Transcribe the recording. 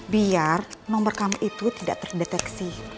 biar nomor kamu itu tidak terdeteksi